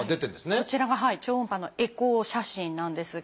こちらが超音波のエコー写真なんですが。